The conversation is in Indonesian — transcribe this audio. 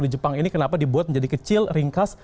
di jepang ini kenapa dibuat menjadi kecil ringkas